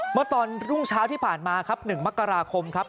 เมื่อตอนรุ่งเช้าที่ผ่านมาครับ๑มกราคมครับ